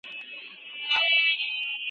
په تعلیم کې اصلاح ټولنه له فساده ژغوري.